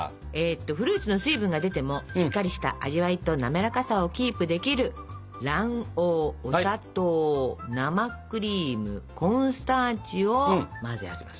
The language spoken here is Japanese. フルーツの水分が出てもしっかりした味わいとなめらかさをキープできる卵黄お砂糖生クリームコーンスターチを混ぜ合わせます。